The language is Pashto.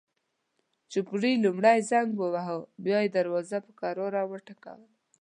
چوپړوال لومړی زنګ وواهه، بیا یې دروازه په کراره وټکوله.